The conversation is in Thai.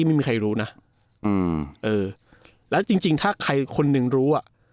ไม่มีใครรู้นะอืมเออแล้วจริงจริงถ้าใครคนหนึ่งรู้อ่ะ